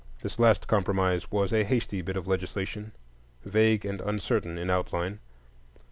This last compromise was a hasty bit of legislation, vague and uncertain in outline.